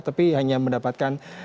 tapi hanya mendapatkan